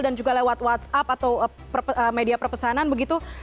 dan juga lewat whatsapp atau media perpesanan begitu